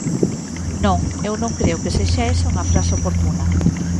Non, eu non creo que sexa esa unha frase oportuna.